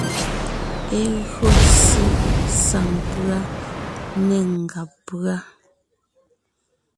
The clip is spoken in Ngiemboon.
E gÿo ssé saŋ pʉ́a né ngàb pʉ́a.